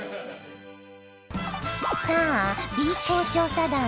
さあＢ公調査団！